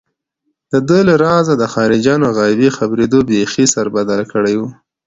دده له رازه د خارجيانو غيبي خبرېدو بېخي سربداله کړی و.